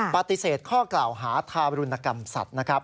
ปฏิเสธข้อกล่าวหาทารุณกรรมสัตว์นะครับ